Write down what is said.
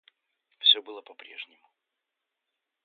Все было по-прежнему.